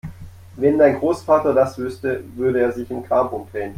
Wenn dein Großvater das wüsste, würde er sich im Grab umdrehen!